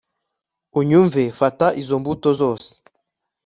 Unyumve fata izo mbuto zose